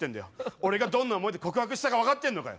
俺がどんな思いで告白したか分かってんのかよ。